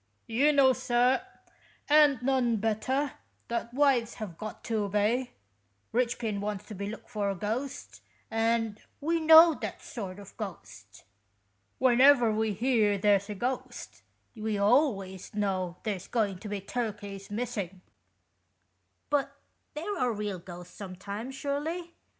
" You know, sir, and none better, that wives have got to obey. Eichpin wants to be took for a ghost, and we know that sort of ghost. When ever we hear there's a ghost, we always know there's going to be turkeys missing." " But there are real ghosts sometimes, surely